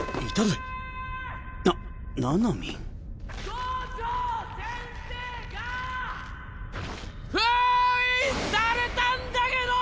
五条先生が封印されたんだけど‼